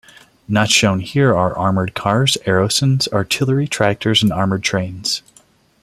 Not shown here are armoured cars, aerosans, artillery tractors and armoured trains.